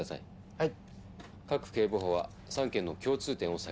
はい。